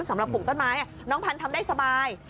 ปลูกต้นไม้น้องพันธุ์ทำได้สบาย